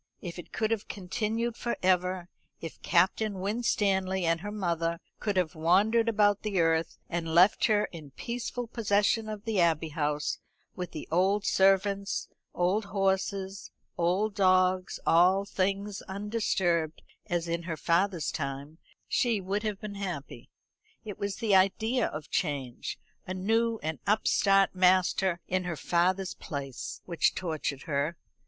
If it could have continued for ever, if Captain Winstanley and her mother could have wandered about the earth, and left her in peaceful possession of the Abbey House, with the old servants, old horses, old dogs, all things undisturbed as in her father's time, she would have been happy. It was the idea of change, a new and upstart master in her father's place, which tortured her.